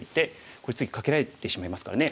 これ次カケられてしまいますからね